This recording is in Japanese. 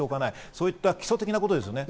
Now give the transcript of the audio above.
そういった基礎的なことですね。